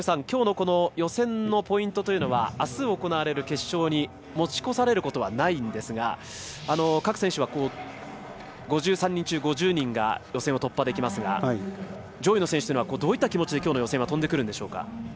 きょうの予選のポイントというのはあす行われる決勝に持ち越されることはないんですが各選手は５３人中５０人が予選を突破できますが上位の選手というのはどういう気持ちできょう飛んでくるんでしょうか。